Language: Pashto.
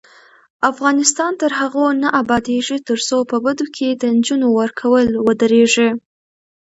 افغانستان تر هغو نه ابادیږي، ترڅو په بدو کې د نجونو ورکول ودریږي.